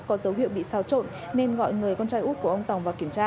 có dấu hiệu bị xáo trộn nên gọi người con trai út của ông tòng vào kiểm tra